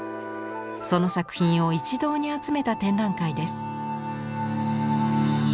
その作品を一堂に集めた展覧会です。